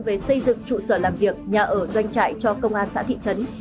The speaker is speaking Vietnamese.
về xây dựng trụ sở làm việc nhà ở doanh trại cho công an xã thị trấn